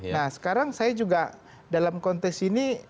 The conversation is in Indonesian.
nah sekarang saya juga dalam konteks ini